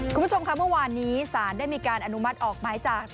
คุณผู้ชมค่ะเมื่อวานนี้ศาลได้มีการอนุมัติออกหมายจาก